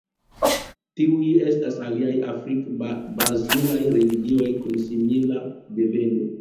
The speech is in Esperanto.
Tiuj estas aliaj afrik-brazilaj religioj kun simila deveno.